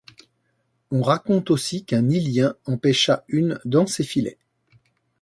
On raconte aussi qu'un îlien en pêcha une dans ses filets.